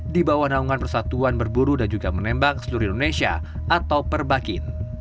di bawah naungan persatuan berburu dan juga menembak seluruh indonesia atau perbakin